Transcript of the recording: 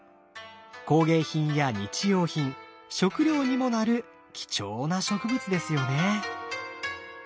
工芸品や日用品食料にもなる貴重な植物ですよね。